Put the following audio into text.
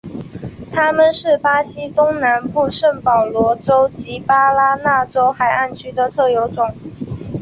它们是巴西东南部圣保罗州及巴拉那州海岸区的特有种。